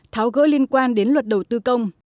tháo gỡ liên quan đến luật đầu tư công